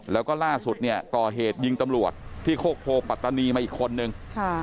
แล้วก็ล่าสุดเนี่ยก่อเหตุยิงตำรวจที่โคกโพปัตตานีมาอีกคนนึง